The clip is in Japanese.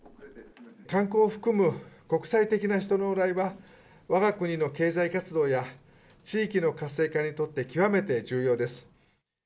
観光を含む国際的な人の往来は、わが国の経済活動や地域の活性化にとって、極めて重要です。